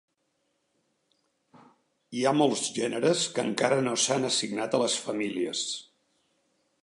Hi ha molts gèneres que encara no s'han assignat a les famílies.